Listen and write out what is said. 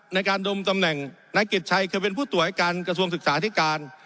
ในการโดมนายกิจชัยเคยเป็นผู้ต่วยการกระชากสุมสึกษาอธิการ